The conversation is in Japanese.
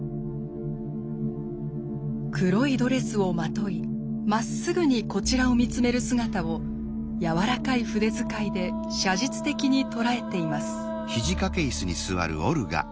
黒いドレスをまといまっすぐにこちらを見つめる姿を柔らかい筆遣いで写実的に捉えています。